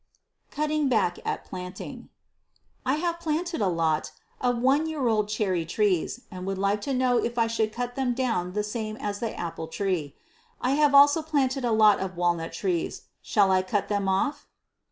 Cutting Back at Planting. I have planted a lot of one year old cherry trees and would like to know if I should cut them down the same as the apple tree? I have also planted a lot of walnut trees. Shall I cut them off?